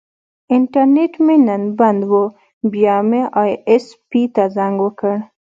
انټرنیټ مې نن بند و، بیا مې ائ ایس پي ته زنګ وکړ.